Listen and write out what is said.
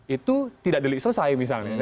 itu tidak delik selesai misalnya